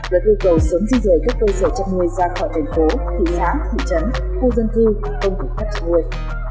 luật ưu cầu sớm di rời các cơ sở chăn nuôi ra khỏi thành phố thị xã thị trấn khu dân cư công cụ phát chăn nuôi